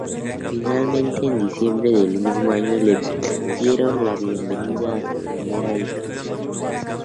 Finalmente en diciembre del mismo año le dieron la bienvenida a su primera hija.